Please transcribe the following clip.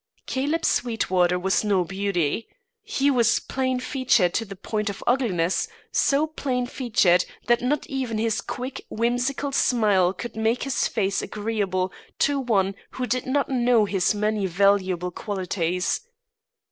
Caleb Sweetwater was no beauty. He was plain featured to the point of ugliness; so plain featured that not even his quick, whimsical smile could make his face agreeable to one who did not know his many valuable qualities.